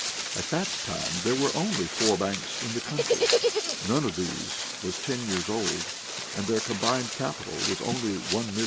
At that time there were only four banks in the country; none of these was ten years old, and their combined capital was only $1,950,000.